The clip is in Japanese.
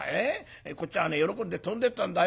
こっちは喜んで飛んでいったんだよ。